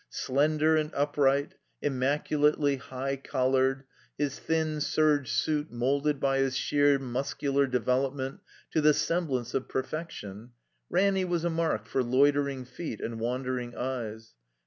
Slender and upright, immaculately high collared, his thin serge suit molded by his sheer muscular develop ment to the semblance of perfection, Ranny was a mark for loitering feet and wandering eyes.